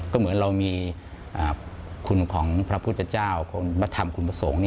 ก็เหมือนเรามีคุณของพระพุทธเจ้าพระธรรมคุณประสงค์